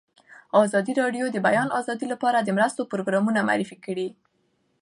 ازادي راډیو د د بیان آزادي لپاره د مرستو پروګرامونه معرفي کړي.